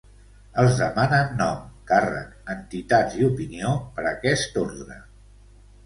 Els demanen nom, càrrec, entitat i opinió, per aquest ordre.